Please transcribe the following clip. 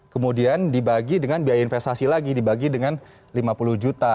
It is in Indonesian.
kemudian dibagi dengan biaya investasi lagi dibagi dengan lima puluh juta